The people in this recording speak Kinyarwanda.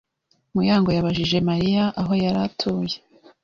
Muyango yabajije Mariya aho yari atuye.